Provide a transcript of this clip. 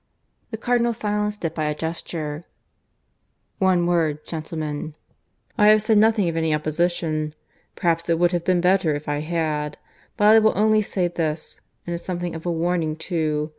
The Cardinal silenced it by a gesture. "One word, gentlemen. ... I have said nothing of any opposition. Perhaps it would have been better if I had. But I will only say this, and it is something of a warning too.